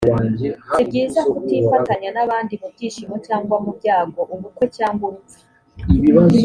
si byiza kutifatanya n’abandi mu byishimo cyangwa mu byago, ubukwe cyangwa urupfu